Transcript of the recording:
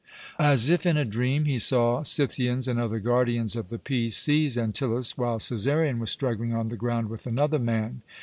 As if in a dream he saw Scythians and other guardians of the peace seize Antyllus, while Cæsarion was struggling on the ground with another man.